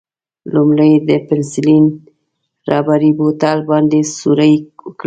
لومړی د پنسیلین ربړي بوتل باندې سوری وکړئ.